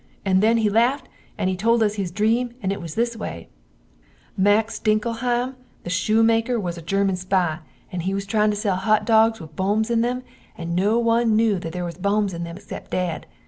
And then he laft and told us his dreme and it was this way, Max Dinkelheim, the shoomaker was a German spy and he was trying to sell hot dogs with boms in them and no one new there was boms in them exept dad.